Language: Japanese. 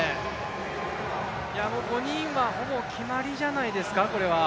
５人はほぼ決まりじゃないですか。